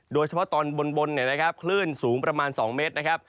โดยเฉพาะตอนบนเนี่ยนะครับคลื่นสูงประมาณ๒เมตรนะครับ